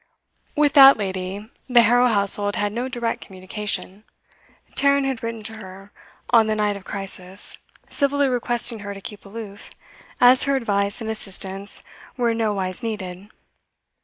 With that lady the Harrow household had no direct communication; Tarrant had written to her on the night of crisis, civilly requesting her to keep aloof, as her advice and assistance were in nowise needed.